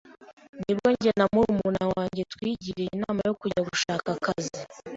nibwo njye na murumuna wanjye twigiriye inama yo kujya gushaka akazi